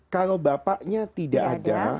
kalau bapaknya tidak ada